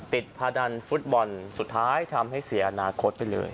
พาดันฟุตบอลสุดท้ายทำให้เสียอนาคตไปเลย